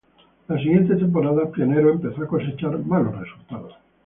Las siguientes temporadas Pioneros empezó a cosechar malos resultados.